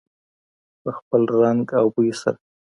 په خپل رنګ او بوی سره.